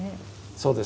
そうです。